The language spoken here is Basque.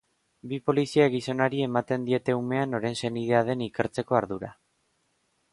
Bi polizia-gizonari ematen diete umea noren senidea den ikertzeko ardura.